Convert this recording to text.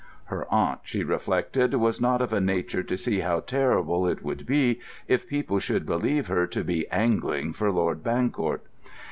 Her aunt, she reflected, was not of a nature to see how terrible it would be if people should believe her to be "angling" for Lord Bancourt.